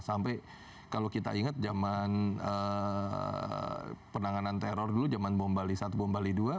sampai kalau kita ingat zaman penanganan teror dulu zaman bom bali satu bom bali dua